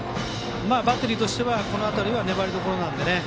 バッテリーとしてはこの辺りは粘りどころなので。